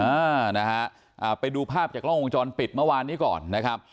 อ่านะฮะอ่าไปดูภาพจากกล้องวงจรปิดเมื่อวานนี้ก่อนนะครับ